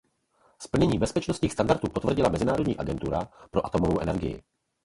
Splnění bezpečnostních standardů potvrdila Mezinárodní agentura pro atomovou energii.